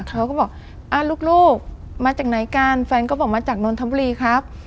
เขาก็บอกลูกมาจากไหนกันแฟนก็บอกมาจากนนทบุรีครับ